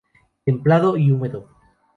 Templado y húmedo